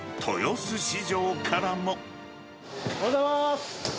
おはようございます。